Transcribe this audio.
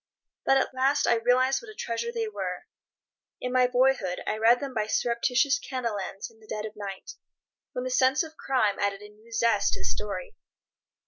But at last I realized what a treasure they were. In my boyhood I read them by surreptitious candle ends in the dead of the night, when the sense of crime added a new zest to the story.